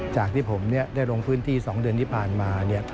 จากที่ผมได้ลงพื้นที่๒เดือนที่ผ่านมา